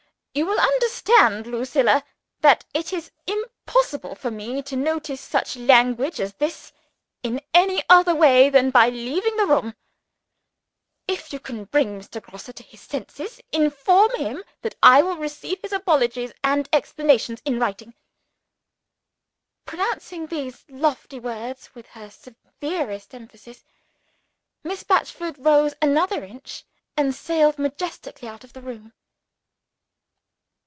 "You will understand, Lucilla, that it is impossible for me to notice such language as this in any other way than by leaving the room. If you can bring Mr. Grosse to his senses, inform him that I will receive his apologies and explanations in writing." Pronouncing these lofty words with her severest emphasis, Miss Batchford rose another inch, and sailed majestically out of the room.